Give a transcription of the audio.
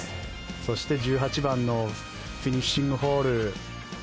そして１８番のフィニッシングホール。